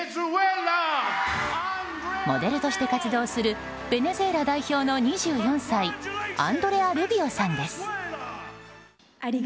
モデルとして活動するベネズエラ代表の２４歳アンドレア・ルビオさんです。